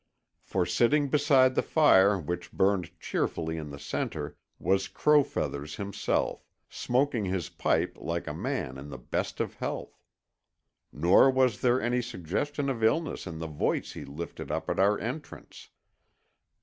For sitting beside the fire which burned cheerfully in the center, was Crow Feathers himself, smoking his pipe like a man in the best of health. Nor was there any suggestion of illness in the voice he lifted up at our entrance.